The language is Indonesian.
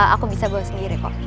aku bisa bawa sendiri kok